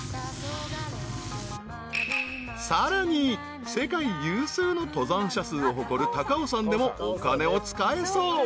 ［さらに世界有数の登山者数を誇る高尾山でもお金を使えそう］